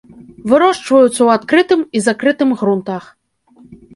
Вырошчваюцца ў адкрытым і закрытым грунтах.